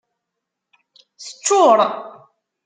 Teccuṛ.